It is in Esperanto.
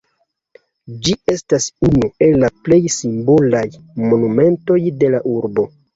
Ĝi estas unu el la plej simbolaj monumentoj de la urbo.